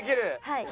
はい。